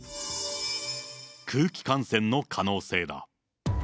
空気感染の可能性だ。